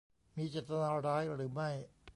มีเจตนาร้ายหรือไม่